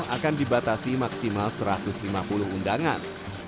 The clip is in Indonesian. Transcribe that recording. akan dibatasi maksimal satu ratus lima puluh undangan